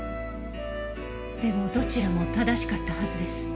でもどちらも正しかったはずです。